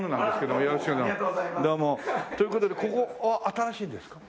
どうも。という事でここは新しいんですか？